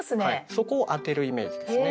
そこを当てるイメージですね。